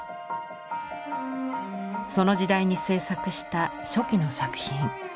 その時代に制作した初期の作品。